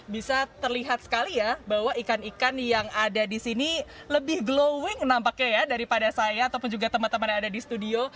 bisa terlihat sekali ya bahwa ikan ikan yang ada di sini lebih glowing nampaknya ya daripada saya ataupun juga teman teman yang ada di studio